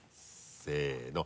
せの。